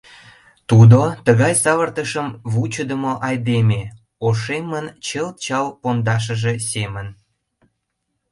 Тудо, тыгай савыртышым вучыдымо айдеме, ошемын чылт чал пондашыже семын.